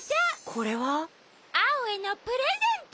これは？アオへのプレゼント！